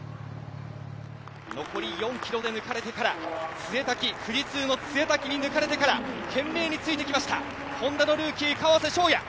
残り４ｋｍで、富士通の潰滝に抜かれてから懸命についてきました、Ｈｏｎｄａのルーキー・川瀬翔矢。